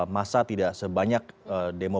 masa tidak sebanyak demo